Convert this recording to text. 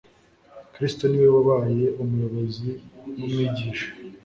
Kristo ni We wabaye umuyobozi numwigisha